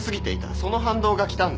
その反動が来たんだ。